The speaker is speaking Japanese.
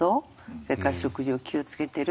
それから食事を気を付けてる。